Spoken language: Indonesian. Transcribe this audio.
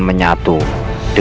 lihat yang aku lakukan